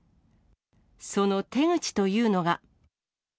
その手口というのが。